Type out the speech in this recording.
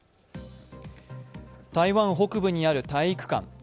台湾北部にある体育館。